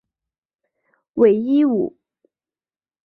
讳一武。